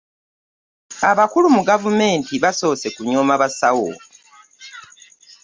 Abakulu mu gavumenti baasoose kunyooma basawo.